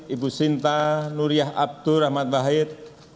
ibu sinta nuriyah abdur rahmat wahid